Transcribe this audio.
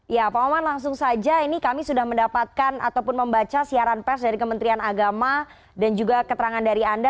ya pak oman langsung saja ini kami sudah mendapatkan ataupun membaca siaran pers dari kementerian agama dan juga keterangan dari anda